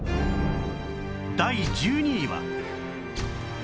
第１２位は